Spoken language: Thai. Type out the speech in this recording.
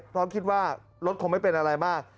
เพราะคิดว่ารถคงไม่เป็นอะไรมาก